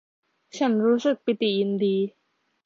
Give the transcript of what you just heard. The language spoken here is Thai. ฉันรู้สึกปิติยินดี